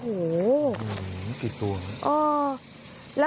หือกี่ตัวอ่ะเอ่อ